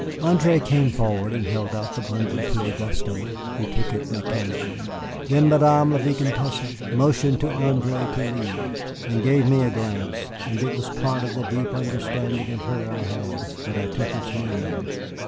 André came forward and held out the bundle to Auguste, who took it mechanically. Then Madame La Vicomtesse motioned to André to leave, and gave me a glance, and it was part of the deep understanding of her I had that I took its meaning.